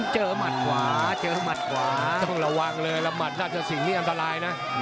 หมัดขวาเจอหมัดขวาต้องระวังเลยละหมัดราชสิงห์นี่อันตรายนะ